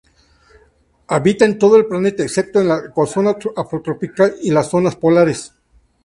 Habita en todo el planeta, excepto la ecozona afrotropical y las zonas polares.